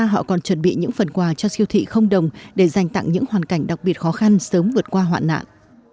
họ còn chuẩn bị những phần quà cho siêu thị không đồng để dành tặng những hoàn cảnh đặc biệt khó khăn sớm vượt qua hoạn nạn